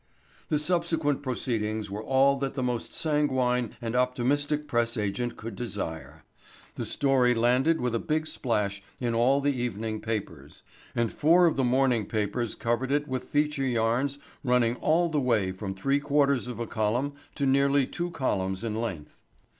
The subsequent proceedings were all that the most sanguine and optimistic press agent could desire. The story landed with a big splash in all the evening papers, and four of the morning papers covered it with feature yarns running all the way from three quarters of a column to nearly two columns in length.